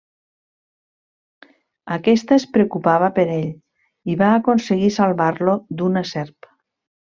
Aquesta es preocupava per ell, i va aconseguir salvar-lo d'una serp.